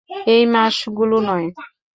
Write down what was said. এই মাসগুলো নয়।